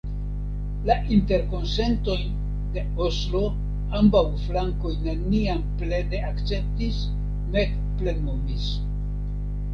La Interkonsentojn de Oslo ambaŭ flankoj neniam plene akceptis nek plenumis.